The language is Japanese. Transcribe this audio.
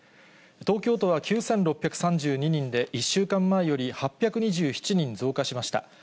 東京都は９６３２人で、１週間前より８２７人増加しました。